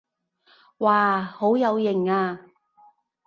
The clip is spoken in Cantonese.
哇好有型啊